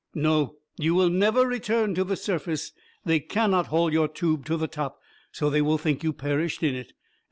"No, you will never return to the surface. They cannot haul your tube to the top, so they will think you perished in it.